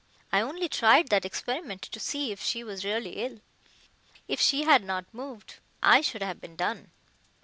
I only tried that experiment to see if she was really ill. If she had not moved I should have been done."